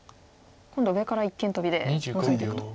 今度は上から一間トビでノゾいていくと。